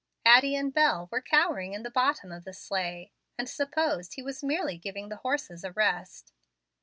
Addie and Bel were cowering in the bottom of the sleigh, and supposed he was merely giving the horses a rest.